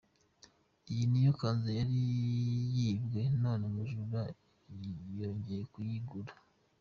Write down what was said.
Iyi niyo kanzu yari yibwe none umujura yongeye kuyigarura.